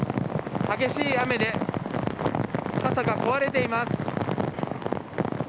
激しい雨で傘が壊れています。